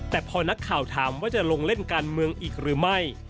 แต่พอนักข่าวถามว่าจะลงเล่นการเมืองอีกหรือไม่